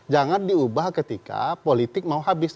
jangan diubah ketika politik mau habis